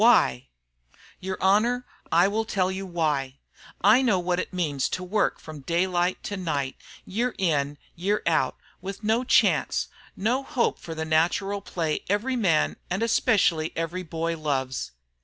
Why?" "Your Honor, I will tell you why. I know what it means to work from daylight to night, year in, year out, with no chance, no hope for the natural play every man and especially every boy loves.